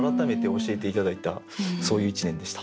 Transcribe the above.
そういう一年でした。